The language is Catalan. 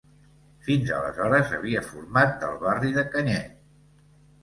Fins aleshores havia format del barri de Canyet.